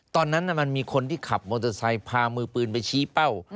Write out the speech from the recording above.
ตอนนั้นมันมีคนที่ขับมอเตอร์ไซค์พามือปืนไปชี้เป้า